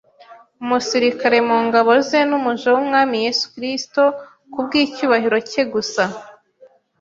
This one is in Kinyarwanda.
umusirikare mu ngabo ze n’umuja w’Umwami Yesu Kristo ku bw’icyubahiro cye gusa.